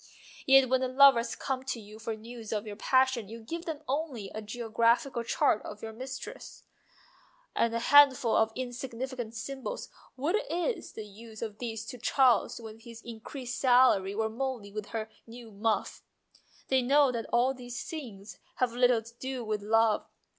Yet when the lovers come to you for news of your passion you give them only a geographical chart of your mistress, and a handful of insignificant symbols. What is the use of these to Charles with his increased salary, or Molly with her new muff? They know that all these things have very little to do with love.